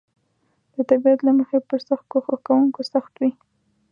د طبیعت له مخې پر سخت کوښښ کونکو سخت وي.